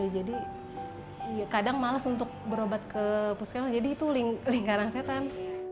jadi kadang males untuk berobat ke puskela jadi itu lingkaran setan